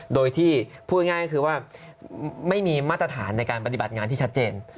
โดยที่พูดง่ายก็คือว่าไม่มีมาตรฐานในการปฏิบัติงานที่ชัดเจน